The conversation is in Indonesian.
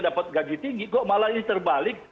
dapat gaji tinggi kok malah ini terbalik